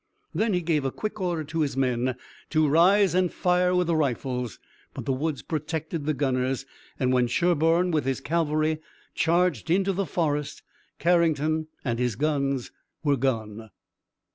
Then he gave a quick order to his men to rise and fire with the rifles, but the woods protected the gunners, and, when Sherburne with his cavalry charged into the forest, Carrington and his guns were gone.